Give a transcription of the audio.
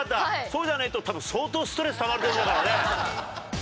そうじゃないと多分相当ストレスたまると思うからね。